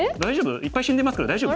いっぱい死んでますけど大丈夫？